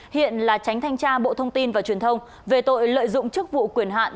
hiện là tránh thanh tra bộ thông tin và truyền thông về tội lợi dụng chức vụ quyền hạn